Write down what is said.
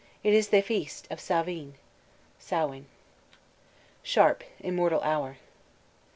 It is the feast of Sáveen" (Samhain). SHARP: _Immortal Hour.